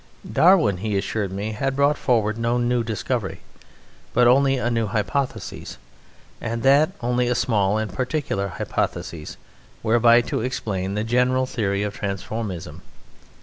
Darwin, he assured me, had brought forward no new discovery, but only a new hypothesis, and that only a small and particular hypothesis, whereby to explain the general theory of transformism.